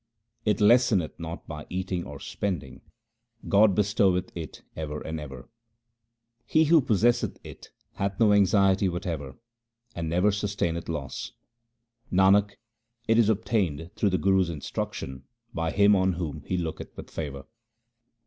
It lesseneth not by eating or spending ; God bestoweth it ever and ever. He who possesseth it hath no anxiety whatever, and never sustaineth loss. Nanak, it is obtained through the Guru's instruction by him on whom he looketh with favour.